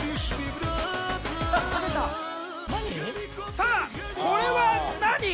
さぁこれは何？